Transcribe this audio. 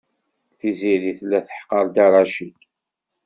Tiziri tella teḥqer Dda Racid.